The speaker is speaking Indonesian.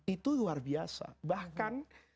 itu luar biasa bahkan